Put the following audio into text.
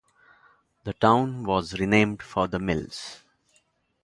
The town was renamed for the mills.